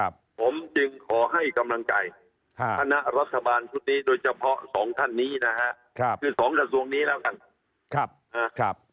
ผมจึงขอให้กำลังใจธนรัฐบาลทุกทีโดยเฉพาะ๒ท่านนี้นะครับ